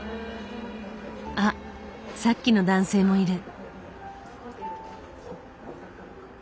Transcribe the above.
あっさっきの男性もいる。